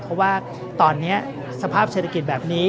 เพราะว่าตอนนี้สภาพเศรษฐกิจแบบนี้